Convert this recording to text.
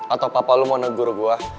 atau papa lo mau negur gue